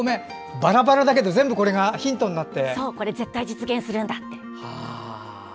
バラバラだけど全部これがヒントになって。